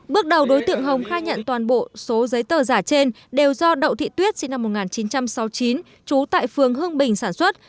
bước đầu đối tượng hồng khai nhận toàn bộ số giấy tờ giả trên đều do đậu thị tuyết sinh năm một nghìn chín trăm sáu mươi chín trú tại phường hương bình sản xuất